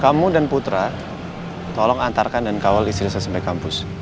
kamu dan putra tolong antarkan dan kawal istri saya sampai kampus